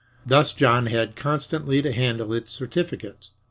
Thus John had constantly to handle its certificates.